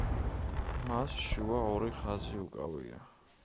მას შუა ორი ხაზი უკავია.